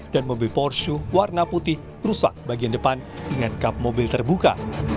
dan mobil porsche warna putih rusak bagian depan dengan kap mobil terbuka